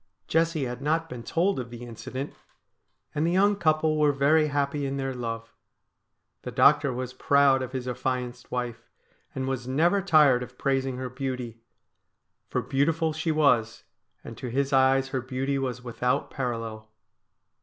Jessie had not been told of the incident, and the young couple were very happy in their love. The doctor was proud of his affianced wife, and was never tired of praising her beauty. For beautiful she was, and to his eyes her beauty was without parallel.